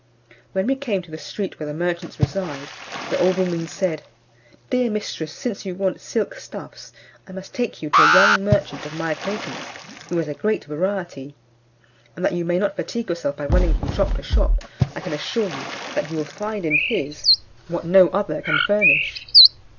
When we came to the street where the merchants reside, the old woman said, "Dear mistress, since you want silk stuffs, I must take you to a young merchant of my acquaintance, who has a great variety; and that you may not fatigue yourself by running from shop to shop, I can assure you that you will find in his what no other can furnish."